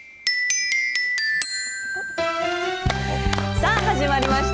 さあ始まりました。